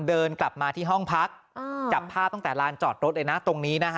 เดินกลับมาที่ห้องพักจับภาพตั้งแต่ลานจอดรถเลยนะตรงนี้นะฮะ